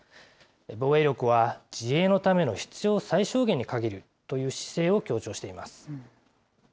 防衛力は、自衛のための必要最小限に限るという姿勢を強調しています。